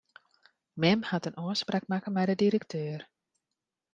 Mem hat in ôfspraak makke mei de direkteur.